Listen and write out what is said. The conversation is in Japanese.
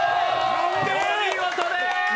お見事です。